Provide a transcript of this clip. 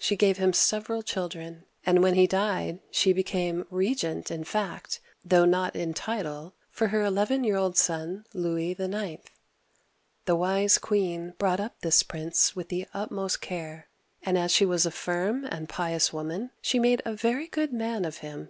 She gave him several children, and when he died she became regent in fact, though not in title, for her eleven year old son, Louis IX. The wise queen brought up this prince with the utmost care, and as she was a firm and pious woman, she made a very good man of him.